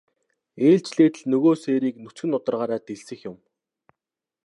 Ээлжлээд л нөгөө сээрийг нүцгэн нударгаараа дэлсэх юм.